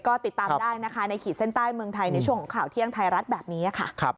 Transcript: ก็ติดตามได้นะคะในขีดเส้นใต้เมืองไทยในช่วงของข่าวเที่ยงไทยรัฐแบบนี้ค่ะ